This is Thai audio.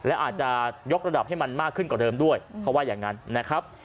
และอาจจะยกระดับให้มันมากขึ้นกว่าเดิมด้วยเขาว่าอย่างนั้นนะครับ